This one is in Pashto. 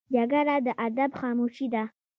جګړه د ادب خاموشي ده